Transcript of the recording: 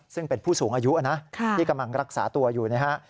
ซึ่งเป็นผู้สูงอายุนะที่กำลังรักษาตัวอยู่นะฮะ